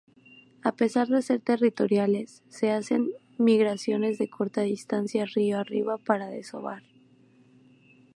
A pesar de ser territoriales, hacen migraciones de corta distancia río arriba para desovar.